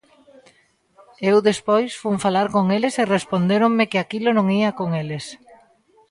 Eu despois fun falar con eles e respondéronme que aquilo non ía con eles.